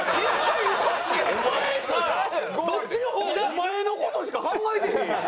お前の事しか考えてへんやん。